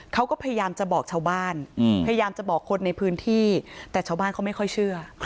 เขาก็พยายามจะบอกชาวบ้านพยายามจะบอกคนในพื้นที่แต่ชาวบ้านเขาไม่ค่อยเชื่อ